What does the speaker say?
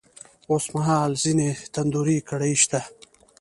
اوس مـهال ځــينې تـنـدروې کـړۍ شـتـه.